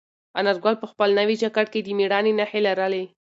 انارګل په خپل نوي جاکټ کې د مېړانې نښې لرلې.